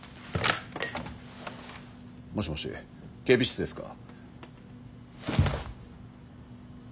もしもし警備室ですか？